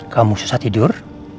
kamu susah tidur